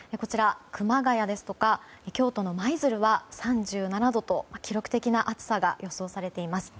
熊谷ですとか京都の舞鶴は３７度と記録的な暑さが予想されています。